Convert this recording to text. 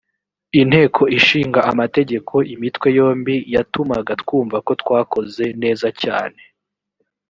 inteko ishinga amategeko imitwe yombi yatumaga twumva ko twakoze neza cyane